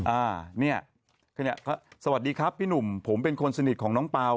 อ่าเนี่ยสวัสดีครับพี่หนุ่มผมเป็นคนสนิทของน้องเปล่า